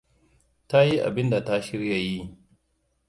Ta yi abinda ta shirya yi.